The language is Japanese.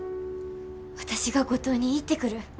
私が五島に行ってくる。